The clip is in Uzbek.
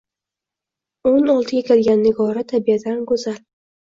Oʻn oltiga kirgan Nigora tabiatan goʻzal.